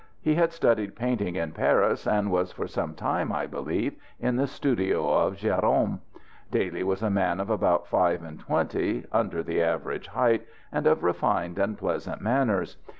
He had studied painting in Paris, and was for some time, I believe, in the studio of Gérôme. Daly was a man of about five and twenty, under the average height, and of refined and pleasant manners.